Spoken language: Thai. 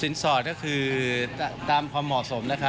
สินสอดก็คือตามความเหมาะสมนะคะ